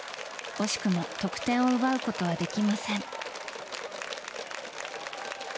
惜しくも得点を奪うことはできません。